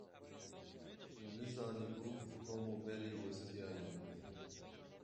Min nizanîbû Tom û Mary westiyayî ne.